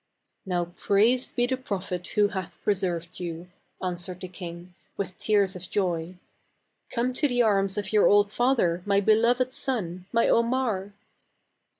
" Now praised be the Prophet who hath pre served you," answered the king, with tears of joy. "Come to the arms of your 'old father, my beloved son, my Omar!